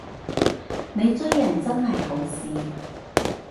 你追人真係好屎